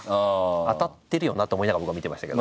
当たってるよなと思いながら僕は見てましたけど。